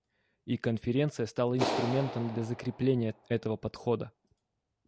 И Конференция стала инструментом для закрепления этого подхода.